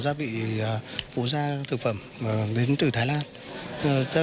ก็มีทุกเมืองที่ว่า